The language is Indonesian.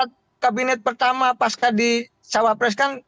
rapat kabinet pertama pas di cawapres kan